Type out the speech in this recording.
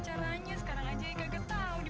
bagaimana cara tinggalkan dia